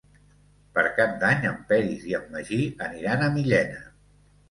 Per Cap d'Any en Peris i en Magí aniran a Millena.